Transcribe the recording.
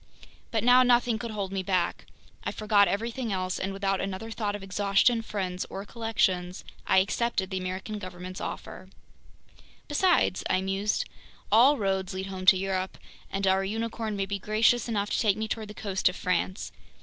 But now nothing could hold me back. I forgot everything else, and without another thought of exhaustion, friends, or collections, I accepted the American government's offer. "Besides," I mused, "all roads lead home to Europe, and our unicorn may be gracious enough to take me toward the coast of France!